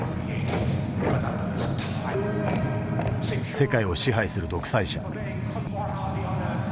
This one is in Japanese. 世界を支配する独裁者。